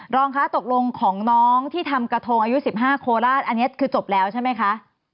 รองคะตกลงของน้องที่ทำกระทงอายุ๑๕โคราชอันนี้คือจบแล้วใช่ไหมคะ